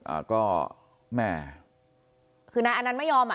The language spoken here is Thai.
อ่าก็แม่คือนายอนันต์ไม่ยอมอ่ะ